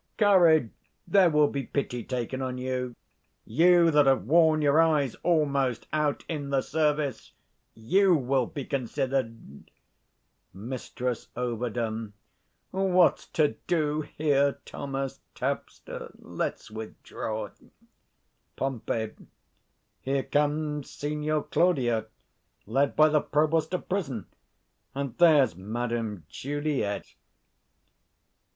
Courage! there will be pity taken on you: you that have worn your eyes almost out in the service, you will be considered. 105 Mrs Ov. What's to do here, Thomas tapster? let's withdraw. Pom. Here comes Signior Claudio, led by the provost to prison; and there's Madam Juliet.